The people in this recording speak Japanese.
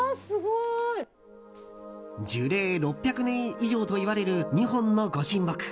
樹齢６００年以上といわれる２本のご神木。